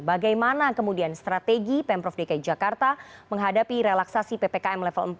bagaimana kemudian strategi pemprov dki jakarta menghadapi relaksasi ppkm level empat